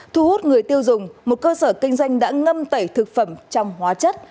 thu hút người tiêu dùng một cơ sở kinh doanh đã ngâm tẩy thực phẩm trong hóa chất